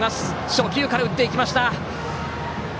初球から打っていきました。